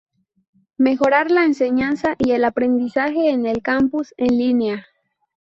Mejorar la enseñanza y el aprendizaje en el campus en línea.